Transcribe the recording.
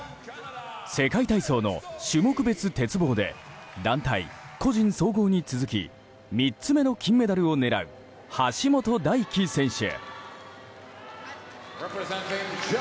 世界体操の種目別鉄棒で団体・個人総合に続き３つ目の金メダルを狙う橋本大輝選手。